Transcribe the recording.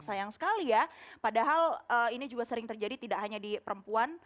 sayang sekali ya padahal ini juga sering terjadi tidak hanya di perempuan